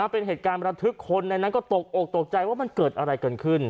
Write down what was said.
เป็นเหตุการณ์ประทึกคนในนั้นก็ตกอกตกใจว่ามันเกิดอะไรกันขึ้น